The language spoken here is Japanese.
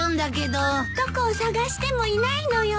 どこを捜してもいないのよ。